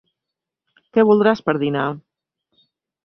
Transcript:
Què voldràs per dinar?